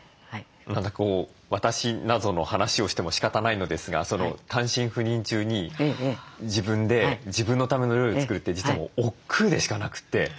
何か私なぞの話をしてもしかたないのですが単身赴任中に自分で自分のための料理を作るって実は億劫でしかなくて。